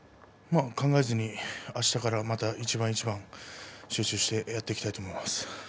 考えずにあしたからもまた一番一番集中してやっていきたいと思います。